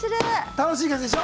楽しい感じでしょ？